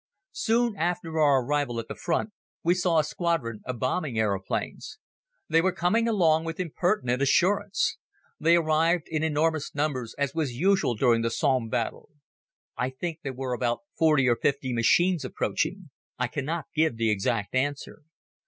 Soon after our arrival at the front we saw a squadron of bombing aeroplanes. They were coming along with impertinent assurance. They arrived in enormous numbers as was usual during the Somme Battle. I think there were about forty or fifty machines approaching. I cannot give the exact number.